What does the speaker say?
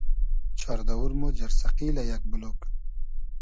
چار دئوور مۉ جئرسئقیلۂ یئگ بولوگ